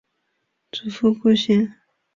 祖父顾显。